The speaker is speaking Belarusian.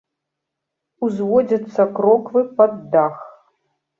Узводзяцца кроквы пад дах.